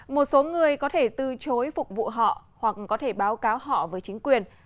một số người có thể từ chối phục vụ họ hoặc có thể báo cáo họ với chính quyền